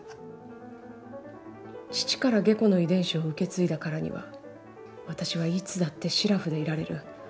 父から下戸の遺伝子を受け継いだからには私はいつだって素面でいられる。